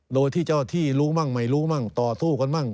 โดยที่เจ้าที่รู้บ้างไม่รู้บ้างต่อสู้กันบ้าง